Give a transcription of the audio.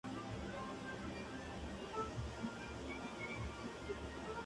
El trueque aún se mantiene.